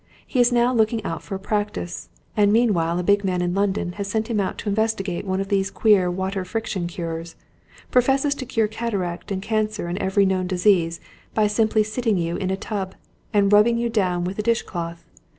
He is now looking out for a practice, and meanwhile a big man in London has sent him out to investigate one of these queer water friction cures professes to cure cataract and cancer and every known disease, by simply sitting you in a tub, and rubbing you down with a dish cloth.